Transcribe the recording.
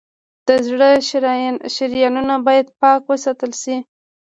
د زړه شریانونه باید پاک وساتل شي.